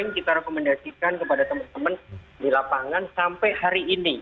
yang paling sering kita rekomendasikan kepada teman teman di lapangan sampai hari ini